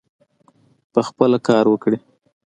پخپله کار وکړي.